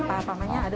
apakah ada sempong